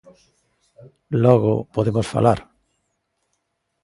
Logo podemos falar.